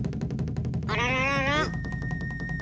あららら？